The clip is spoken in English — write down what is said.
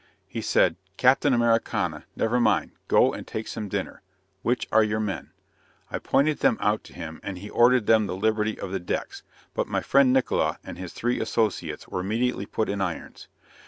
He said, "Captain Americana, never mind, go and take some dinner which are your men?" I pointed them out to him, and he ordered them the liberty of the decks; but my friend Nickola and his three associates were immediately put in irons.